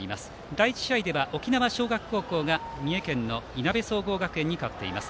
第１試合では沖縄尚学高校が三重県のいなべ総合学園高校に勝っています。